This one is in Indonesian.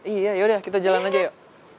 iya yaudah kita jalan aja yuk